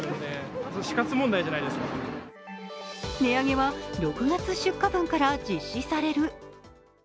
値上げは６月出荷分から実施される。